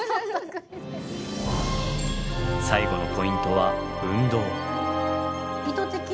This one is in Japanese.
最後のポイントは運動。